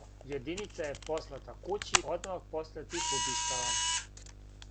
Јединица је послата кући одмах после тих убистава.